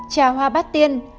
năm trà hoa bát tiên